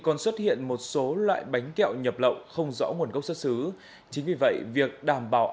còn xuất hiện một số loại bánh kẹo nhập lậu không rõ nguồn gốc xuất xứ chính vì vậy việc đảm bảo